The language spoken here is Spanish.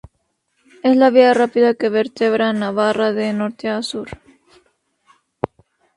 Es la vía rápida que vertebra Navarra de norte a sur.